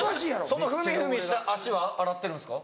その踏み踏みした足は洗ってるんですか？